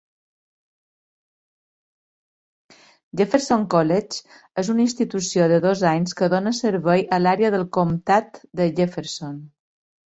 Jefferson College és una institució de dos anys que dóna servei a l'àrea del comtat de Jefferson.